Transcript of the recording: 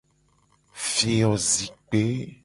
Fiozikpe.